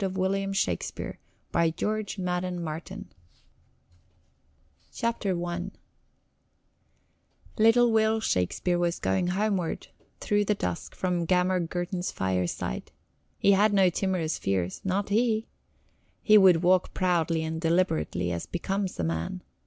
as well as the butcher's son" 109 A WARWICKSHIRE LAD I Little Will Shakespeare was going homeward through the dusk from Gammer Gurton's fireside. He had no timorous fears, not he. He would walk proudly and deliberately as becomes a man.